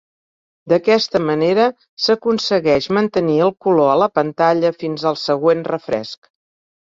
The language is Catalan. D'aquesta manera s'aconsegueix mantenir el color a la pantalla fins al següent refresc.